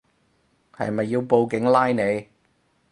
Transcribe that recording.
係咪要報警拉你